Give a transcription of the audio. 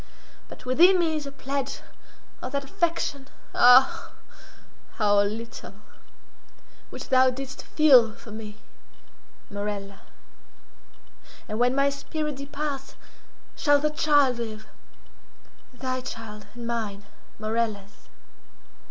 But within me is a pledge of that affection—ah, how little!—which thou didst feel for me, Morella. And when my spirit departs shall the child live—thy child and mine, Morella's.